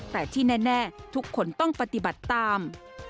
แต่ที่แน่ทุกคนต้องปฏิบัติตาม